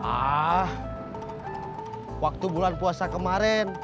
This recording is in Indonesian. ah waktu bulan puasa kemarin